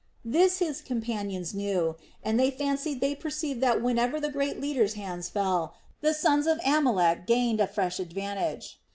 This his companions knew, and they fancied they perceived that whenever the great leader's hands fell the sons of Amalek gained a fresh advantage.